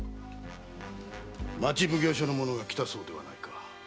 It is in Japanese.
町奉行所の者が来たそうではないか。